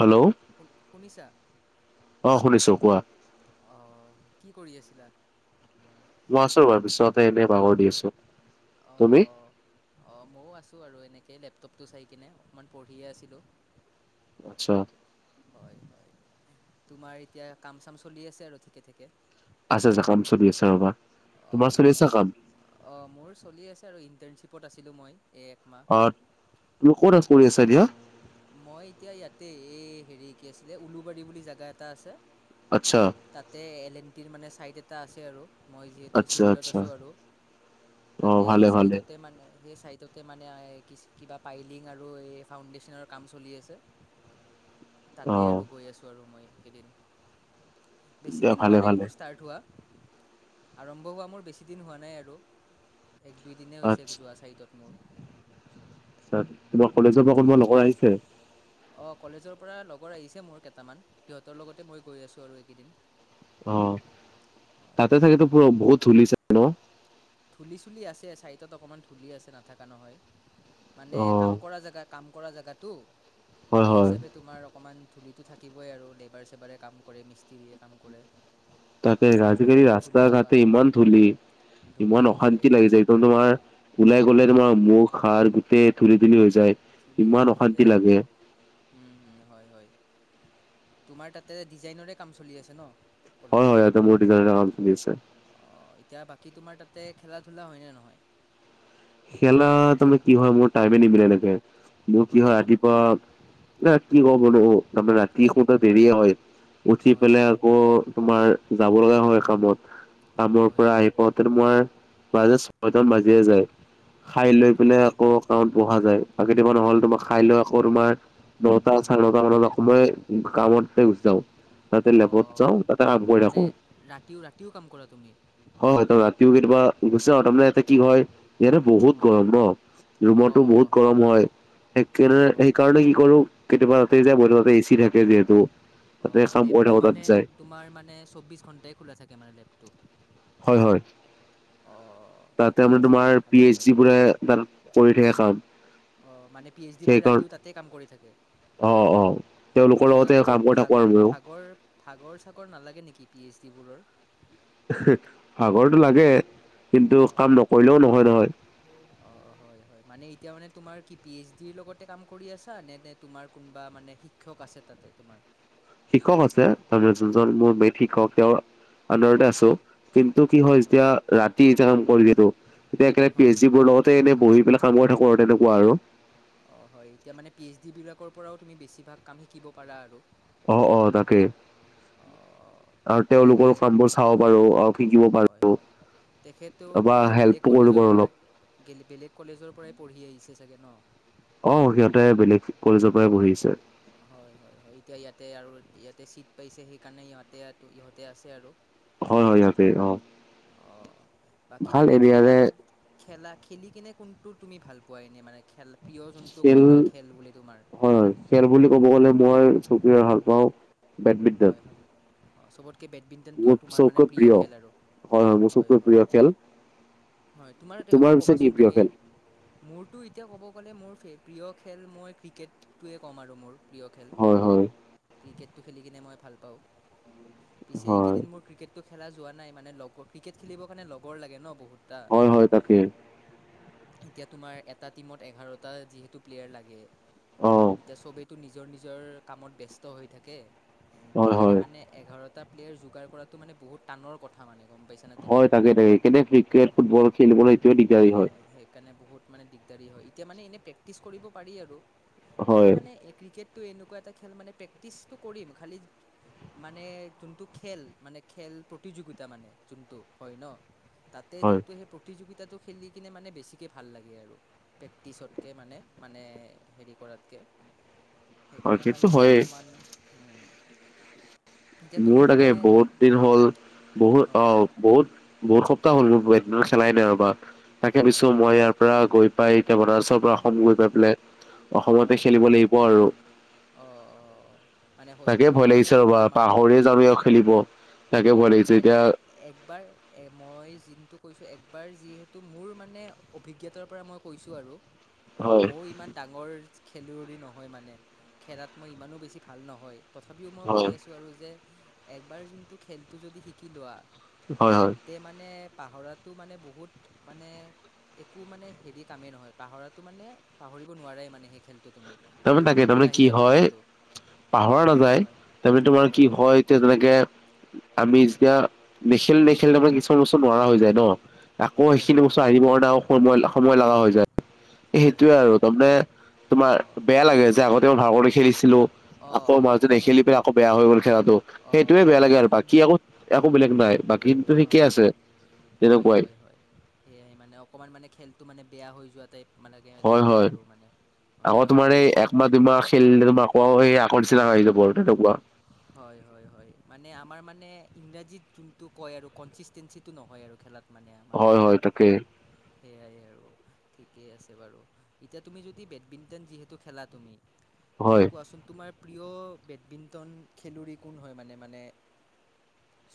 Hello শুন শুনিছা? অ শুনিছো কোৱা। অঁ কি কৰি আছিলা? মই আছো বাৰ পিছতে এনেই বাগৰ দি আছো তুমি অ মইয়ো আছো আৰু এনেকে লেপটপটো চাই কিনে অকমান পঢ়িয়ে আছিলো। আচ্ছা হয় হয় তোমাৰ এতিয়া কাম চাম চলি আছে আৰু ঠিকে ঠাকে আছে আচা কাম চলি আছা ৰবা তোমাৰ চলি আছে অঁ কাম অঁ মোৰ চলি আছে আৰু ইণ্টাৰ্শিপত আছিলোঁ মই এই একমাহ অ তুমি ক'ত এ কৰি আছা দিয়া মই এতিয়া ইয়াতে এই হেৰি কি আছিলে উলুবাৰী বুলি জাগা এটা আছে। আচ্ছা তাতে এল এন টিৰ মানে চাইট এটা আছে আৰু। মই যিহেতু আচ্ছা চিভিলত আচ্ছা আছো আৰু অ তাতে সেই ভালে ভালে চাইডতে মানে সেই চাইডত ত মানে কিবা পাইলিং আৰু এই ফাউণ্ডেশ্যনৰ কাম চলি আছে অ তাতে আৰু গৈ আছো আৰু মই কেইদিন বেছি দিয়া দিন ভালে হোৱা নাই ভালে মোৰ ষ্টাৰ্ট হোৱা আৰম্ভ হোৱা মোৰ বেছিদিন হোৱা নাই আৰু। এক দুই দিনে হৈছে আচ্ছা যোৱা চাৰিতত মোৰ তোমাৰ কলেজৰ হয় পৰা কোনোবা লগৰ আহিছে। অঁ কলেজৰ পৰা লগৰ আহিছে মোৰ কেইটামান সিহঁতৰ লগতে মই গৈ আছোঁ আৰু এইকেইদিন। অ হয় তাতে হয় থাকেতো প বহুত খুলিছে ন ধুলি চুলি আছে চাইডত অকমান ধূলি আছে নাথাকা নহয় মানে অ কাম কৰা জেগাত কাম কৰা জেগাটো হয় সেই হয় হিচাপে তোমাৰ অকণমান ধূলিতটো থাকিবই আৰু লেবাৰ চেবাৰে কাম কৰে মিস্ত্ৰীয়ে কাম কৰে। তাকে আৰু ৰাজগৰি ৰাস্তা ধূলা ঘাটে বালু ইমান ধূলি। ধূলি ইমান হৈছে অশান্তি লাগি যায় একদম তোমাৰ ওলাই গলে তোমাৰ মুখ সাৰ গোটেই ধূুলি ধূুলি হৈ যায়। চুলি ইমান ধুলি হৈ অশান্তি যায় একদম লাগে হম হম হয় হয় তোমাৰ তাতে ডিজাইনৰে কাম চলি আছে ন হয় কলেজত হয় ইতে মোৰ ডিজাইনে আৰাম চ দি আছে কি তোমাৰ তাতে খেলা ধূলা হয় নে নহয় খেলা তাৰমানে কি হয় মোৰ টাইমে নিমিলে এনেকে কিন্তু কি হয় ৰাতি পোৱা এ কি কৰো বোলো। তাৰে ৰাতি সোতে দেৰিয়ে হয় উঠি হয় পেলাই হয় আকৌ তোমাৰ যাব লগা হয় কামত কামৰ হয় পৰা আহি পাওঁ তে মই মাজ সদা মাজে যায় [unintelligible] খাই লৈ পেলাই হয় অঁ আকৌ কত বহা যায় বাকি টাইমত নহ'লে তোমাৰ খাই লৈ আকৌ তোমাৰ চাৰে নটা মান বজাত মই কামতে গুচি যাওঁ। তাতে লেবত অঁ যাও তাতে কাম কৰি মানে থাকো। ৰাতিও ৰাতিও কাম কৰা তুমি হয় হয় ত ৰাতিও কেতিয়াবা গুচৈ তামানে [unintelligible] ইয়াতে কি হয় ইয়াতে বহুত হয় গৰম ন অঁ ৰুমতো অঁ বহুত গৰম হয়। অঁ সকেৰ অঁ সেইকাৰণে কি কৰো কেতিয়াবা ৰাতি যায় বতে এ চি থাকে যিহেতু অ তাতে কাম কৰি লেবটো থাকো তাত মানে যায় তোমাৰ মানে চৌবিশ ঘন্টাই খোলা থাকে মানে লেবটো হয় হয় অঁ তাতে ঠিকেই মানে আছে তে তোমাৰ পি ভালেই এইচ ড হয় বোৰে তাত কৰি থাকে কাম অ মানে পি এইচ ডি কৰি সেইকাৰণ ৰাতিও তাতেই কাম কৰি থাকে। অ অ তেওঁলোকৰ লগতে সিহঁতৰ বাৰু কাম কৰি থাকো ভাগ আৰু মইও। ভাগৰ ভাগৰ চাগৰ নালাগে নেকি। পি এইচ ডিবোৰৰ। ভাগৰটো লাগে কিন্তু কাম নকৰিলেও নহয় নহয়। অ অ হয় হয় মানে এতিয়া মানে তোমাৰ কি পি এইচ ডিৰ লগতে কাম কৰি আছা নে নে তোমাৰ কোনোবা মানে শিক্ষক আছে তাতে তোমাৰ শিক্ষক আছে যোনজন মোৰ মেট শিক্ষক তেওঁ আন্ধাৰতে হয় আছো কিন্তু কি হয় এতিয়া ৰাতি এতিয়া কাম কৰি যিহেতু এতিয়া পি হয় এইচ ডি বোৰৰ লগতে এনেই বহি পেলাই কাম হৈ থাকো আৰু তেনেকুৱা আৰু অহ, হয় এতিয়া মানে পি এইচ ডি বিলাকৰ পৰাও তুমি বেছিভাগ কাম শিকিব পাৰা আৰু। অহ -অহ তাকেই অ আৰু তেওঁলোকৰ তেখেত কামবোৰ চাব পাৰো শিকিব পাৰো হয় -হয় তেখেতও টো বা মানে বেলেগ হেল্পো কৰিব কলেজৰ পাৰো অলপ পৰাই। বেলে - বেলেগ কলেজৰ পৰাই পঢ়ি আহিছে চাগে ন'? অহ, সিহঁতে বেলেগ কলেজৰ পৰাই পঢ়িছে। হয় -হয় -হয় এতিয়া ইয়াতে আৰু ইয়াতে চিট পাইছে সেইকাৰণে ইহতে -ইহঁতে আছে আৰু। হয় -হয় ইয়াতে অহ। অহ, বাকি তুমি খেলা এৰিয়াৰে ধ খেলা খেলি কিনে কোনটো তুমি ভাল পোৱা এনে মানে খেল প্ৰিয় যোনটো খেল কয় ন'খেল বুলি তোমাৰ? হয় হয় খেল বুলি ক'ব গ'লে মই চকীৰে ভাল পাওঁ হয় বেডমিণ্টন হয় হয় অঁ চবতকৈ বেডমিণ্টনটো আৰু তোমাৰ মানে প্ৰিয় খেল আৰু মোৰ হয় চবতকৈ - হয়। প্ৰিয় খেল হয়, তোমাৰ এবাৰ পিছে কি কবাচোন প্ৰিয় তুমি খেল মোৰতো এতিয়া ক'ব গ'লে মোৰ প্ৰিয় খেল মই ক্ৰিকেটটোৱে ক'ম আৰু মোৰ প্ৰিয় খেল হয়- হয়। ক্ৰিকেটটো খেলি কিনে মই ভাল পাওঁ পিছে হয় এইকেইদিন মোৰ ক্ৰিকেটটো খেলা যোৱা নাই মানে লগৰ ক্ৰিকেট খেলিবৰ কাৰণে লগৰ লাগে ন'বহুত। হয় -হয় তাকে। এতিয়া তোমাৰ এটা টিমত এঘাৰটা যিহেতু প্লেয়াৰ লাগে অ এতিয়া চবেই নিজৰ -নিজৰ কামত ব্যস্ত হৈ থাকে হয় সেইকাৰণে হয় মানে এঘাৰতা প্লেয়াৰ যোগাৰ কৰাটো মানে বহুত টানৰ কথা মানে গ'ম পাইছানে তুমি হয় তাকে- তাকে সেইে ক্ৰিকেট, ফুটবল খেলিবলৈ এইটোৱে দিগদাৰী সে হয় -সেইকাৰণে বহুত মানে দিগদাৰী হয় এতিয়া মানে এনেই প্ৰেক্টিচ কৰিব পাৰি আৰু। খালি হয় মানে ক্ৰিকেটটো এনেকুৱা এটা খেল মানে প্ৰেক্টিচটো কৰিম খালি মানে যোনটো খেল মানে খেল প্ৰতিযোগিতা মানে যোনটো হয় ন' তাতে হয় যোনটো সেই প্ৰতিযোগিতা খেলি কিনে মানে বেছিকৈ ভাল লাগে আৰু প্ৰেক্টিচতকে মানে- মানে হেৰি কৰাতকে। হয় সেইকাৰণে সেইটো মানে হয়েই অকমান মোৰ তুমি তাকে মানে বহুত দিন হ'ল বহুত হয় অহ বহুত বহুত সপ্তাহ হ'ল [unintelligible] খেলাই নাই ৰবা তাকে হয় ভাবিছোঁ মই হয় ইয়াৰ পৰা গৈ বা এতিয়া বনাৰছৰ পৰা অসম গৈ পাই পেলে হয় -হয়, অহ - অহ। তাকে ভয় লাগিছে ৰ'বা পাহৰি যাওঁ ই খেলিব। তাকে ভয় লাগিছে নাই- নাই এতিয়া একবাৰ মই য কৈছো একবাৰ যিহেতু মোৰ মানে অভিজ্ঞতাৰ পৰা মই কৈছো আৰু হয় মইও ইমান ডাঙৰ খেলুৱৈৰি নহয় মানে খেলাত মই ইমানো বেছি ভাল নহয় তথাপিও মই হয় কৈ আছোঁ আৰু যে একবাৰ যোনটো খেলটো যদি শিকি লোৱা হয় হয় তে মানে পাহৰাটো মানে বহুত মানে একো মানে হেৰি কামেই নহয় পাহৰাটো মানে পাহ কৰিব নোৱাৰাই মানে সেই খেলটো তুমি মানে তাৰমানে তোমাৰ তাকে হাতত তাৰমানে আহি কি যাব হয় খেলটো পাহৰা নাযায় হয় তাৰমানে তোমাৰ কি হয় এতিয়া যেনেকে আমি যেতিয়া [unintelligible] তাৰ মানে কিছুমান বস্তু নোৱাৰা হৈ যায় ন আকৌ হয় সেইখিনি হয় বস্তু হয় আনিব কাৰণে সময় [unintelligible] হৈ যায় হয় সেইটোয়ে হয় আৰু হয় হয় হয় তাৰমানে তোমাৰ অঁ বেয়া লাগে যে আগতে মই ভালদৰে খেলিছিলো অঁ আকৌ মই অঁ মাজতে অকণমান নেখেলি পেলাই আকৌ বেয়া হৈ গ'ল খেলাটো অঁ সেইটোয়ে অঁ বেয়া লাগে আৰু কি একো- একো বেলেগ নাই বাকী কিন্তু ঠিকেই অহ, আছে হয় - তেনেকুৱাই হয়-হয় সেয়াই মানে অকমান মানে খেলটো মানে বেয়া হৈ যোৱা টাইপ মানে হয় লাগে -হয় আৰু মানে হয় আকৌ ন তোমাৰ এই একমাহ -দুমাহ খেলিলে তোমাৰ কোৱা হয় আকৌ নিচিনা আহি যাব আৰু তেনেকুৱা। হয় -হয়- হয় মানে আমাৰ মানে ইংৰাজীত যোনটো কয় আৰু কনচিষ্টেঞ্চিটো নহয় আৰু খেলাত। মানে আমাৰ হয় হয় তাকে সেয়াই আৰু ঠিকেই আছে বাৰু এতিয়া তুমি যদি বেডমিণ্টন যিহেতু খেলা তুমি হয় তুমি কোৱাচোন তোমাৰ প্ৰিয় বেডমিণ্টন খেলুৱৰি কোন হয় মানে মানে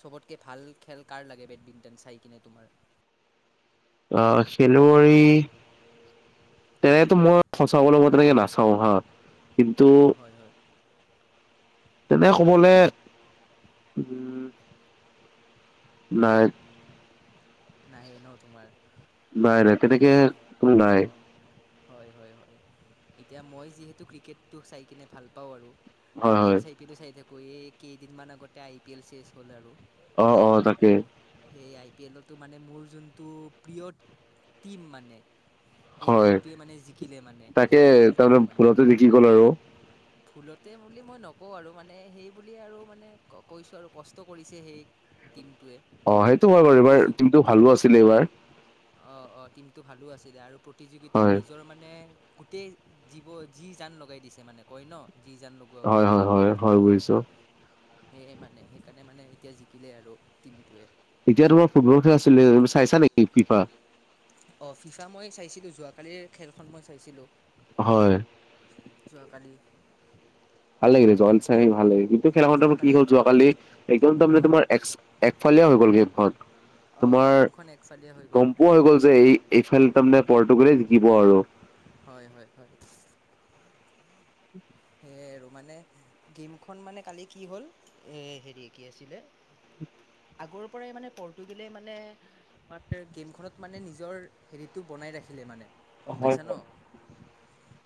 চবতকে ভাল খেল কাৰ লাগে বেডমিণ্টন চাই কিনি তোমাৰ অ খেলুৱৈ তেনেকেতো মই সঁচা ক'ব গলে তেনেকে নাচাওঁ হা কিন্তু অ হয় হয় তেনে কবলে উম নাই নাই ন তোমাৰ নাই নাই তেনেকে কোনো নাই। অ' হয় হয় হয় এতিয়া মই যিহেতু ক্ৰিকেটটো চাই কিনে ভাল পাওঁ আৰু আই হয় পি এল হয় চাই পি এল চাই থাকো এই কেইদিনমান আগতে আই পি এল চেচ হ'ল আৰু অ শেষ অ হ'ল তাকে সেই আই পি এলত তো মানে মোৰ যোনটো প্ৰিয় টীম মানে সেই হয় টিমটোৱে মানে জিকিলে মানে তাকে ফাইনেলখন তাৰমানে মানে ভুলতে দেখি গ'ল আৰু ফুলত বুলি মই নকওঁ আৰু মানে সেই বুলিয়ে আৰু মানে কৈছো আৰু কষ্ট কৰিছে সেই টিমটোৱে অ সেইটো বাৰু এইবাৰ টিমটো ভালো আছিলে এইবাৰ অ অ টিমটো ভালো আছিলে আৰু প্ৰতিযোগিতাত হয় নিজৰ মানে গোটেই জীৱ যি জান লগাই দিছে মানে কয় ন যি জান লগোৱা হয় বুলি হয় হয় হয় বুজিছো। সেয়ে মানে সেইকাৰণে মানে এতিয়া জিকিলে আৰু টীমটোৱে এতিয়া তোমাৰ ফুটবল খেল আছিলে চাইছা নেকি ফিফা চাইছিলো যোৱাকালিৰ খেলখন মই চাইছিলো, হয় যোৱাকালি ভাল লাগিলে জন চাই ভাল লাগিলে কিন্তু খেলাখনমানে কি যোৱাকালিৰ হ'ল যোৱাকালি একদম তাৰমানানে অঁ তোমাৰ এক একফালীয়া হৈ গ'ল গেমখন অঁ তোমাৰ গেমখন একফালীয়া হৈ গ'ল গম পোৱা হৈ গ'ল যে এই এইফালে তাৰমানে পৰ্তুগালে জিকিব আৰু হয় হয় হয় [unintelligible] এ আৰু মানে গেমখন মানে কালি কি হ'ল এ হেৰি কি আছিলে আগৰ পৰাই মানে পৰ্তুগলে মানে আমাৰ গেমখনত মানে নিজৰ হেৰিতটো বনাই ৰাখিলে মানে গম পাইছা ন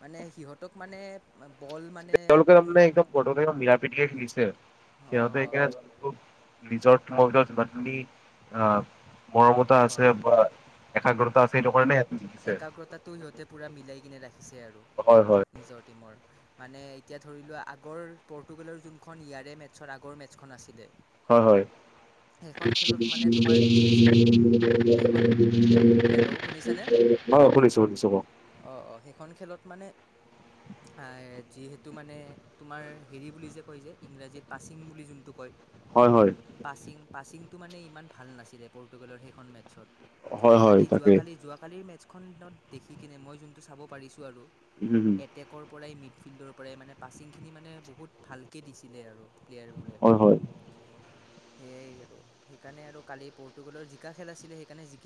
মানে সিহঁতক মানে বল মানে তেওঁলোকে মানে একদম [unintelligible] মিল পিটিকে খেলিছে হয় সিহঁতে হয় [unintelligible] নিজৰ তোমাৰ ভিতৰত যিমানখিনি আহ মৰমতা হয় আছে হয় বা একাগ্ৰতা আছে সেইটো হয় কাৰণে সিহঁতে জিকিছে। একাগ্ৰতাটো সিহঁতে পুৰা মিলাই কিনে ৰাখিছে আৰু হয় হয় নিজৰ টীমৰ মানে এতিয়া ধৰি লোৱা আগৰ পৰ্টুগালৰ যোনখন ইয়াৰে মেটছৰ আগৰ মেটছখন আছিলে। হয় হয় [unintelligible] সেইখন খেলত মানে তোমাৰ কি আছিলে সেইখন হেল্ল' [unintelligible] হয় শুনিছো শুনিছো ক অ অ সেইখন খেলত মানে যিহেতু মানে তোমাৰ হেৰি বুলি যে কয় যে ইংৰাজীত প্ৰাচিং বুলি যোনটো কয় হয় হয় পাচিং পাচিংটো মানে ইমান ভাল নাছিলে পৰ্তুগালৰ সেইখন মেটছত হয় হয় খালি তাকে যোৱাকালি যোৱা কালিৰ মেচখনত দেখি কিনে মই যোনটো চাব পাৰিছো আৰু উম হম এটেকৰ পৰাই মিড ফিল্ডৰ পৰাই মানে পাছিংখিনি মানে বহুত ভালকে দিছিলে আৰু প্লেয়াৰ হয় হয়। বুলেট সেইয়াই আৰু সেইকাৰণে আৰু কালি পৰ্তুগালৰ জিকা খেল আছিলে সেইকাৰণে জি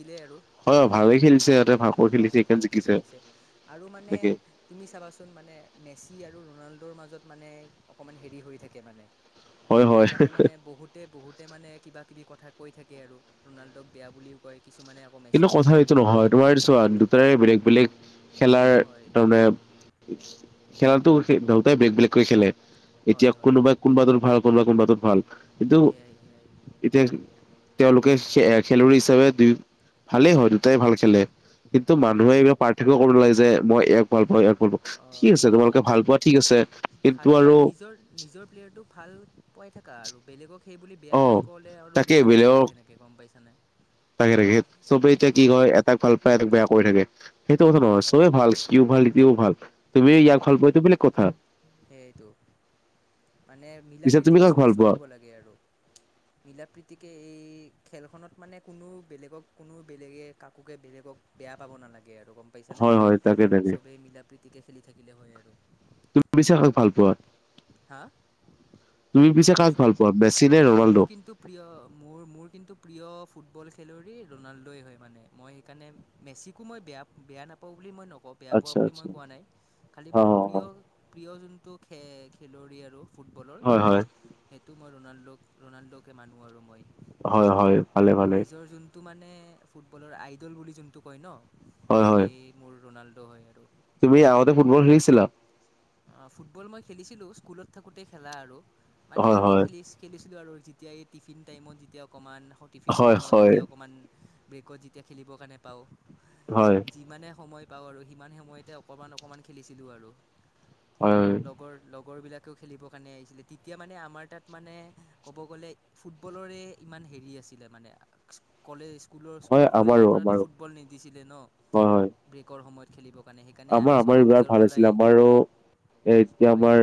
হয় ভালে খেলিছে ইহঁতে ভালকৈ খেলিছে সেইকাৰণে জি কে খেলিছে আৰু মানে তুমি চাবাচোন মানে মেচি আৰু ৰনাল্ডৰ মাজত মানে অকণমান হেৰি হৈ থাকে মানে হয় হয় সেইকাৰণে মানে বহুতে বহুতে মানে কিবা কিবি কথা কৈ থাকে আৰু ৰনাল্ডোক বেয়া বুলিও কয় কিছুমানে আকৌ কিন্তু মেচিকো কথা বেয়া এইটো বুলি কয় নহয় তোমাৰছোৱা দুটাই বেলেগ বেলেগ খেলাৰ হয় তাৰমানে খেলাটো দুয়োতাই বেলেগ বেলেগকৈ খেলে এতিয়া হয় হয় কোনোবাই হয় কোনোবাটোত ভাল কোনোবাই কোনোবাটোত ভাল কিন্তু সেয়াই সেয়াই এতিয়া তেওঁলোকে খেলুৱৈ হিচাপে দুই ভালেই হয় দুটা ভাল খেলে কিন্তু হয় মানুহে পাৰ্থক্য কৰিব নালাগে যে মই এক ভাল পাওঁ ভাল পাওঁ। অ ঠিক সেই আছে তোমালোকে সেইটো ভাল পোৱা ঠিক আছে কিন্তু ভাল আৰু পোৱাত নিজৰ নিজৰ প্লেযাৰটোক ভাল পাই কাৰো বেলেগক সেই বুলি বেয়া অ বুলি ক'লে আৰু তাকে দুখ লাগে বেলেগক আৰু সেনেকৈ গম পাইছানে তাকে তাকে চবেই এতিয়া কি হয় কয় এটাক ভাল পায় এক বেয়া কৰি থাকে সেইটো কথা হয় নহয় হয় চবেই ভাল ইতিও ভাল ইতিও ভাল তুমি ইয়াক ভাল পোৱা সেইটো বেলেগ কথা সেইটো মানে মিলা পিছে তুমি প্ৰীতিকে কাক সবেই ভাল পোৱা চলিব লাগে আৰু মিলা প্ৰীতিকে এই খেলখনত মানে কোনো বেলেগক কোনো বেলেগে কাকোকে বেলেগক বেয়া পাব নালাগে আৰু গম পাইছা নে হয় হয় তাকে তাকে চবেই মিলা প্ৰীতিকে খেলি থাকিলে হয় আৰু তুমি হা [unintelligible] তুমি পিছে কাক কোৱাচোন ভাল পোৱা মেচি নে মোৰ ৰনাল্ডো? কিন্তু প্ৰিয় মোৰ মোৰ কিন্তু প্ৰিয় ফুটবল খেলুৱৈ ৰনাল্ডই হয় মানে মই সেইকাৰণে মেছিকো মই বেয়া বেয়া নাপাওঁ বুলি মই নকওঁ বেয়া পোৱা আচ্ছা বুলি আচ্ছা মই কোৱা নাই খালী অ মোৰ অ। প্ৰিয় প্ৰিয় যোনটো খেল খেলুৱৈ আৰু ফুটবলৰ হয় হয় সেইটো মই ৰণাল্ডো ৰণাল্ডকে মানো আৰু মই হয় হয় ভালে ভালে টো মানে ফুটবলৰ আইডল বুলি যোনটো কয় ন হয় হয় সেই মোৰ ৰোনাল্ড তুমি আগতে ফুটবল খেলিছিলা অ ফুটবল মই খেলিছিলো স্কুলত থাকোঁতে খেলা আৰু মানে হয় এনেই হয় খেলি খেলিছিলো জিকিলো আৰু যেতিয়া এই টিফিন টাইমত যেতিয়া অকণমান টিফিনৰ হয় সময়ত হয় যেতিয়া অকণমান ব্ৰেকত যেতিয়া খেলিবৰ কাৰণে পাওঁ হয় যিমানে সময় পাও সিমান সময়তে অকমান অক খেলিছিলো আৰু হয় হয় লগৰ বিলাকেও খেলিবৰ কাৰণে আহিছিলে তেতিয়া মানে আমাৰ তাত মানে ক'ব গ'লে ফুটবলৰে ইমান হেৰি আছিলে মানে কলেজ স্কুলৰ হয় স্কুল কলেজৰ আমাৰো পৰাতো আমাৰো ফুটবল নিদিছিলে ন হয় হয়। ব্ৰেকৰ সময়ত খেলিব। মানে সেই কাৰণে আমাৰ আমি আমাৰ চবেই বিৰাট নিজৰ ভাল আছিলে পৰাই আমাৰো এ এতিয়া হয় আমাৰ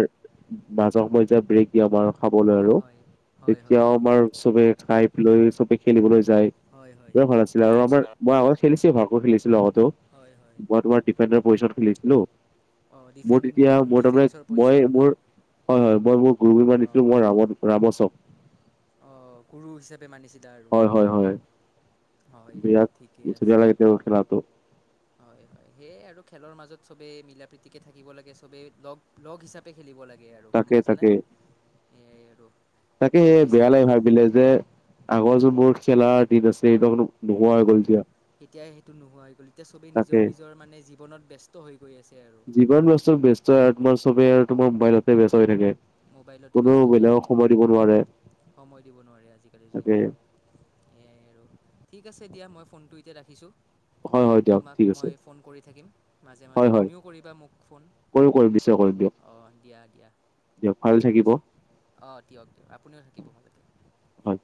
মাজৰ মজিয়া ব্ৰেক দিয়ে আমাৰ খাবলৈ আৰু হয় হয় হয় তেতিয়াও হয় আমাৰ চবে খাই লৈ চবে খেলিবলৈ যায় হয় হয় ব ভাল আছিলে আৰু আমাৰ মই আগতে খেলিছিলো খেলিছিলো আগতেও হয় হয় মই তোমাৰ বেদব্ৰত পইচা খেলিছিলো অ মোৰ ডিফে তেতিয়া মোৰ তাৰমানে ডিফেন্সৰ মই পজিচনত মোৰ ন হয় হয় মই মোৰ গুৰু মানি দিছিলো মই ৰাম ৰামচক আহ গুৰু হিচাপে মানিছিলা আৰু হয় বিয়াত ঠিকে ধুনীয়া আছে লাগে তেও খেলাটো হয় হয় সেয়ে আৰু খেলৰ মাজত সবে মিলা প্ৰতিকে থাকিব লাগে সবেই লগ লগ হিচাপে খেলিব লাগে সি আৰু গম তাকে পাইছা নে তাকে তাকে বেয়া লাগে ভাবিলে যে আগৰ যোনবোৰ মোৰ খেলাৰ দিন আছে সেই হয় এতিয়া সেইটো নোহোৱা হৈ গ'ল এতিয়া চবেই তাকে নিজৰ নিজৰ মানে জীৱনত ব্যস্ত হৈ গৈ আছে আৰু যিমান ব্যস্ত ব্যস্ত আৰু তোমাৰ চবেই আৰু তোমাৰ মোবাইলতে ব্যস্ত হৈ থাকে মোবাইলতে কোনো ব্যস্ত হৈ বেলেগক থাকে সময় সেয়াই দিব নোৱাৰে সময় দিব নোৱাৰে আজিকালিৰ তাকে জীৱনত সেয়াই আৰু ঠিক আছে দিয়া মই ফোনটো এতিয়া ৰাখিছোঁ হয় হয় দিয়ক ঠিক তোমাক আছে মই ফোন কৰি থাকিম মাজে মাজে তুমিও কৰিবা মোক ফোন চে দিয়ক অঁ দিয়া দিয়া [unintelligible] ৰাখিছোঁ অঁ দিয়ক দিয়ক আপুনিও থাকিব ভালকে হয়